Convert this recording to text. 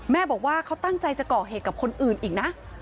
แม่บอกว่าเขาตั้งใจจะก่อเหตุกับคนอื่นอีกนะ